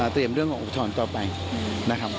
เตรียมเรื่องอุทธรณ์ต่อไปนะครับ